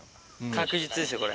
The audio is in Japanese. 確実ですよ、これ。